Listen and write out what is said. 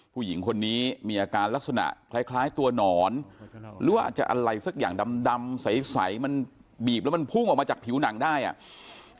ผู้หญิงคนนี้มีอาการลักษณะคล้ายตัวหนอนหรือว่าอาจจะอะไรสักอย่างดำใสมันบีบแล้วมันพุ่งออกมาจากผิวหนังได้อ่ะ